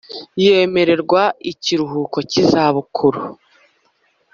yemererwa ikiruhuko cy’izabukuru